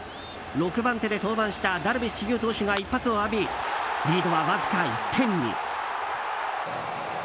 ６番手で登板したダルビッシュ有投手が一発を浴びリードはわずか１点に。